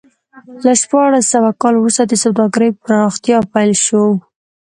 له شپاړس سوه کال وروسته د سوداګرۍ پراختیا پیل شو.